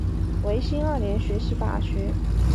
维新二年学习法学。